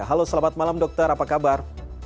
halo selamat malam dokter apa kabar